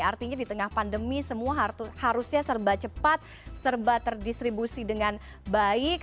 artinya di tengah pandemi semua harusnya serba cepat serba terdistribusi dengan baik